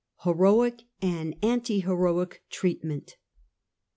HEROIC AND ANTI HEEOIC TKEATMENT.